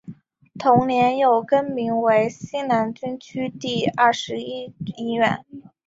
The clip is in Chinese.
同年又更名为西南军区第二十一医院。